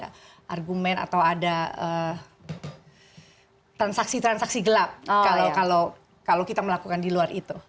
ada argumen atau ada transaksi transaksi gelap kalau kita melakukan di luar itu